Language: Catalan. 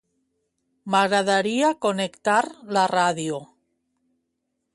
M'agradaria connectar la ràdio.